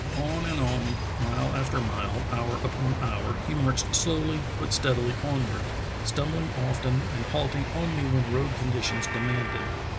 On and on, mile after mile, hour upon hour, he marched slowly but steadily onward, stumbling often and halting only when road conditions demanded.